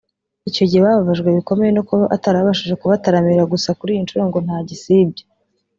icyo gihe bababajwe bikomeye no kuba atarabashije kubataramira gusa kuri iyi nshuro ngo nta gisibya